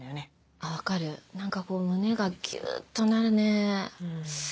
あ分かる何かこう胸がギュっとなるね。